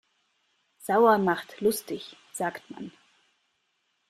Sauer macht lustig, sagt man.